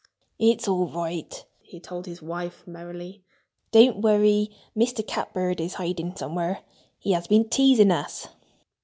"It's all right!" he told his wife merrily. "Don't worry! Mr. Catbird is hiding somewhere. He has been teasing us!"